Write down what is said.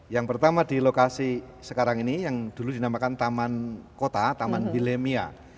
yang pertama di lokasi sekarang ini yang dulu dinamakan taman kota taman willemia